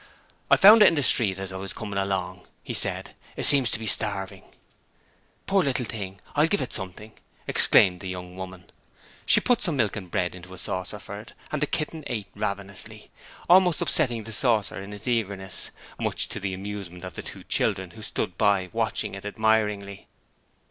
'I found it in the street as I was coming along,' he said. 'It seems to be starving.' 'Poor little thing. I'll give it something.' exclaimed the young woman. She put some milk and bread into a saucer for it and the kitten ate ravenously, almost upsetting the saucer in its eagerness, much to the amusement of the two children, who stood by watching it admiringly.